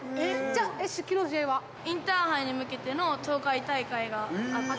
「はい」「インターハイに向けての東海大会があって」